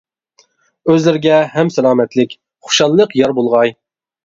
ئۆزلىرىگە ھەم سالامەتلىك، خۇشاللىق يار بولغاي.